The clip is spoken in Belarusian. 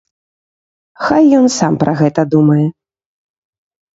Хай ён сам пра гэта думае.